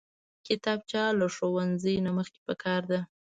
کتابچه له ښوونځي نه مخکې پکار ده